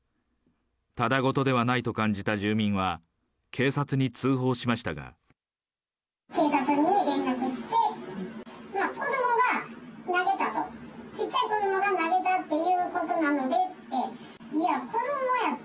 ただごとではないと感じた住民は、警察に連絡して、子どもが投げたと、小っちゃい子どもが投げたっていうことなのでって。